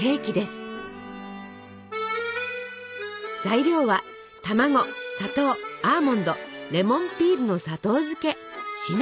材料は卵砂糖アーモンドレモンピールの砂糖漬けシナモン。